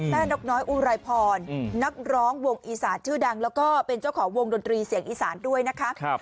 นกน้อยอุไรพรนักร้องวงอีสานชื่อดังแล้วก็เป็นเจ้าของวงดนตรีเสียงอีสานด้วยนะคะ